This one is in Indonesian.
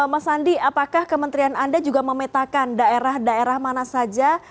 mas andi apakah kementerian anda juga memetakan daerah daerah mana saja